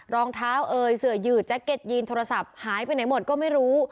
รองเท้าเอ่ยเสือยืดแจ็คเก็ตยีนโทรศัพท์หายไปไหนหมดก็ไม่รู้